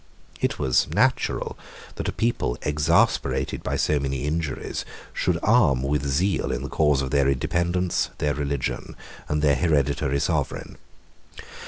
55 It was natural, that a people exasperated by so many injuries, should arm with zeal in the cause of their independence, their religion, and their hereditary sovereign.